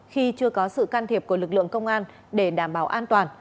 khi chưa có sự can thiệp của lực lượng công an để đảm bảo an toàn